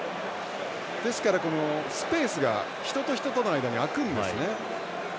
ですから、スペースが人と人との間が空くんですね。